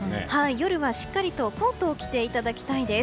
夜はしっかりとコートを着ていただきたいです。